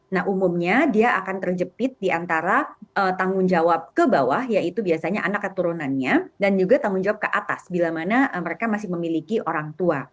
nah umumnya dia akan terjepit di antara tanggung jawab ke bawah yaitu biasanya anak keturunannya dan juga tanggung jawab ke atas bila mana mereka masih memiliki orang tua